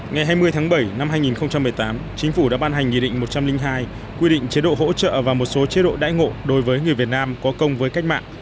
ngày hai mươi tháng bảy năm hai nghìn một mươi tám chính phủ đã ban hành nghị định một trăm linh hai quy định chế độ hỗ trợ và một số chế độ đại ngộ đối với người việt nam có công với cách mạng